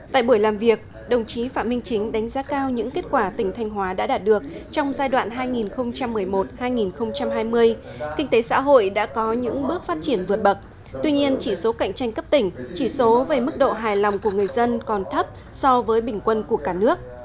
tại buổi làm việc đồng chí phạm minh chính đánh giá cao những kết quả tỉnh thanh hóa đã đạt được trong giai đoạn hai nghìn một mươi một hai nghìn hai mươi kinh tế xã hội đã có những bước phát triển vượt bậc tuy nhiên chỉ số cạnh tranh cấp tỉnh chỉ số về mức độ hài lòng của người dân còn thấp so với bình quân của cả nước